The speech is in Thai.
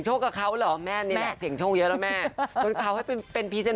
เฮ้ยเลิศ